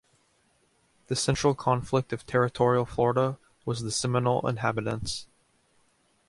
The central conflict of Territorial Florida was the Seminole inhabitants.